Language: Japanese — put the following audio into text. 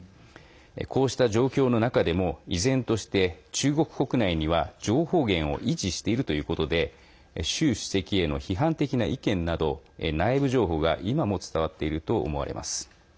こうした状況の中でも依然として中国国内には、情報源を維持しているということで習主席への批判的な意見など内部情報が今も伝わっていると思われます。